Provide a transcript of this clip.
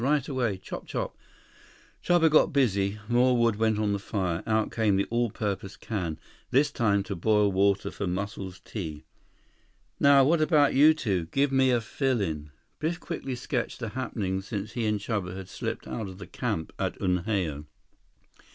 Right away. Chop. Chop." Chuba got busy. More wood went on the fire. Out came the all purpose can, this time to boil water for Muscles' tea. "Now what about you two? Give me a fill in." Biff quickly sketched the happenings since he and Chuba had slipped out of the camp at Unhao.